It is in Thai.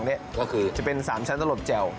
ก็คือจะเป็น๓ชั้นตะหรดแจว